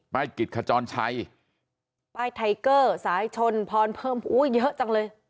กิจขจรชัยป้ายไทเกอร์สายชนพรเพิ่มอุ้ยเยอะจังเลย